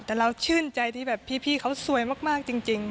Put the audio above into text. แต่เราชื่นใจที่แบบพี่เขาสวยมากจริง